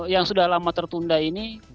yang sudah lama tertunda ini